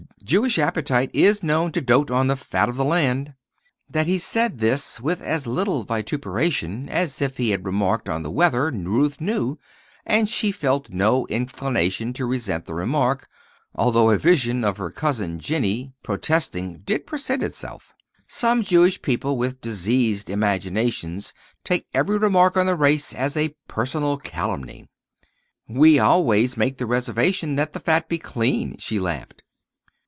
Jewish appetite is known to dote on the fat of the land." That he said this with as little vituperation as if he had remarked on the weather Ruth knew; and she felt no inclination to resent the remark, although a vision of her cousin Jennie protesting did present itself. Some Jewish people with diseased imaginations take every remark on the race as a personal calumny. "We always make the reservation that the fat be clean," she laughed.